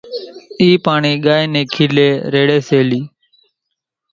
اِي پاڻي ڳائي ني کيلي ريڙي سي لئي۔